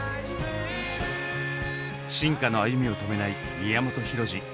進化の歩みを止めない宮本浩次。